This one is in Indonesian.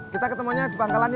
kita ketemunya di pangkalan